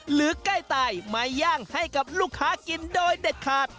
ใกล้ตายมาย่างให้กับลูกค้ากินโดยเด็ดขาด